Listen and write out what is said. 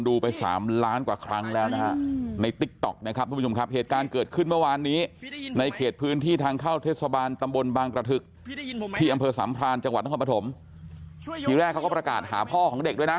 จังหวัดน้องค่อนประถมทีแรกเขาก็ประกาศหาพ่อของเด็กด้วยนะ